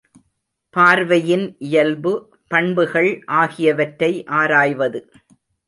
பார்வையின் இயல்பு, பண்புகள் ஆகியவற்றை ஆராய்வது.